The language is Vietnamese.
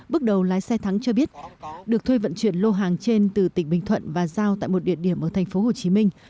bước đầu lái xe thắng cho biết được thuê vận chuyển lô hàng trên từ tỉnh bình thuận và giao tại một địa điểm ở thành phố hồ chí minh